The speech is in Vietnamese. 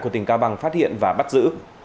của tỉnh cao bằng phát hiện và bắt giữ